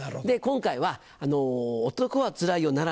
で今回は「男はつらいよ」